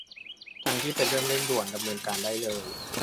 ทั้งที่เป็นเรื่องเร่งด่วนดำเนินการได้เลย